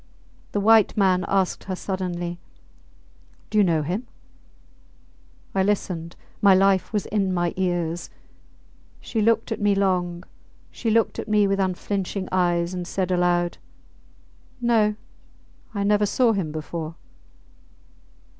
The white man asked her suddenly. Do you know him? I listened my life was in my ears! She looked at me long, she looked at me with unflinching eyes, and said aloud, No! I never saw him before.